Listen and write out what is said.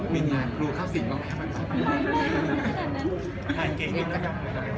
มีงานครูข้าวศิลป์ก็ไม่ทำได้ค่ะ